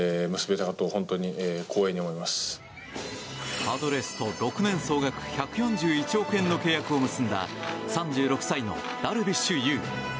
パドレスと６年総額１４１億円の契約を結んだ３６歳のダルビッシュ有。